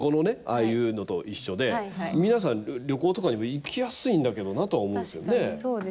もちろんコロナ後のああいうのと一緒で、皆さん旅行とかにも行きやすいんだけどなとは思うんですよね。